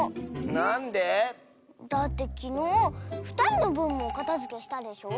なんで？だってきのうふたりのぶんもおかたづけしたでしょ？